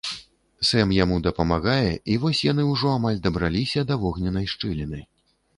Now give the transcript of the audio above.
Сэм яму дапамагае, і вось яны ўжо амаль дабраліся да вогненнай шчыліны.